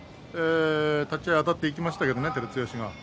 立ち合いあたっていきましたけど照強が。